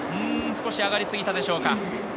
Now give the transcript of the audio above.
少し上がりすぎたでしょうか。